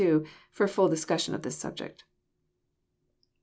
32, for a full discussion of the subject.